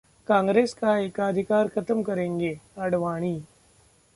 कांग्रेस का एकाधिकार खत्म करेंगे: आडवाणी